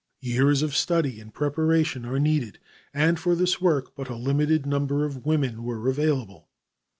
Years of study and preparation are needed, and for this work but a limited number of women were available.